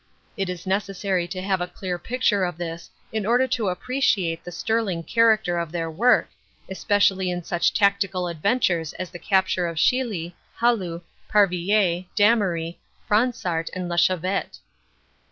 It is necessary to have a clear picture of this in order to appreciate the sterling character of their work, especially in such tactical adventures as the capture of Chilly, Hallu, Parvillers, Damery, Fransart and La Chavette.